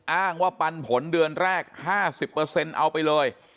อ้างว่าปันผลเดือนแรก๕๐เอาไปเลย